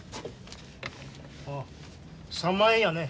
あっ３万円やね。